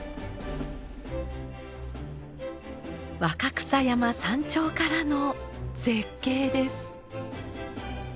若草山山頂からの絶景です。